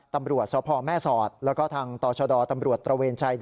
ตำรวจสพแม่สอดแล้วก็ทางตชตตตชด